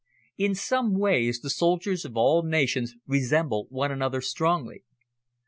In some ways the soldiers of all nations resemble one another strongly.